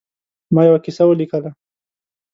ما یوه کیسه ولیکله.